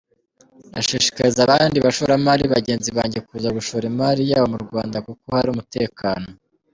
Ndashishikariza abandi bashoramari bagenzi banjye kuza gushora imari yabo mu Rwanda kuko hari umutekano.